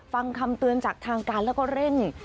ฟังคำเตือนจากทางการแล้วก็เร่ง